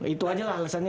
itu aja lah alasannya